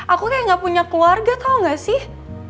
aku kayak gak punya keluarga tau gak sih